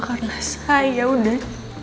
karena saya udah